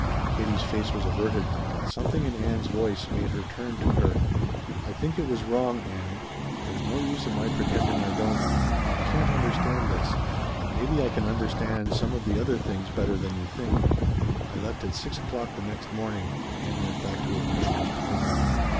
Katie's face was averted, but something in Ann's voice made her turn to her. "I think it was wrong, Ann. There's no use in my pretending I don't. I can't understand this. But maybe I can understand some of the other things better than you think." "I left at six o'clock the next morning," Ann went back to it when she was calmer.